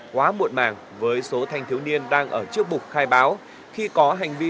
quá muộn màng với số thanh thiếu niên đang ở trước bục khai báo khi có hành vi